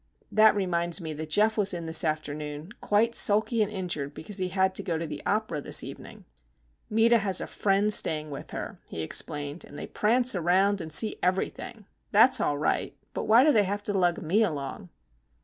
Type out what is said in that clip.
That reminds me that Geof was in this afternoon, quite sulky and injured because he had to go to the opera this evening. "Meta has a friend staying with her," he explained. "And they prance round and see everything. That's all right; but why do they have to lug me along?"